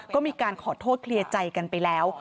ก็มีการขอโทษเคลียร์ใจกันไปแล้ว